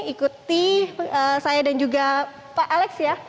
ikuti saya dan juga pak alex ya